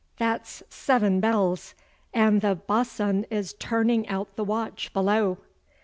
'That's seven bells, and the bo'sun is turning out the watch below.